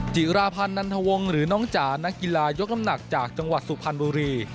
จิราพันธ์นันทวงหรือน้องจ๋านักกีฬายกน้ำหนักจากจังหวัดสุพรรณบุรี